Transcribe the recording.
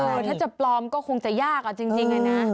เออถ้าจะปลอมก็คงจะยากจริงนะ